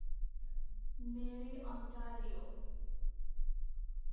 Mary Ontario.